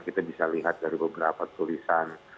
kita bisa lihat dari beberapa tulisan